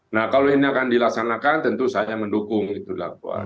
nah kalau ini akan dilaksanakan tentu saya mendukung itu dilakukan